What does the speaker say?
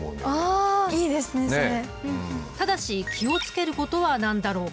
ただし気を付けることは何だろうか？